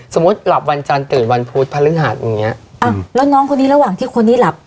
หลับวันจันทร์ตื่นวันพุธพฤหัสอย่างเงี้ยอ้าวแล้วน้องคนนี้ระหว่างที่คนนี้หลับ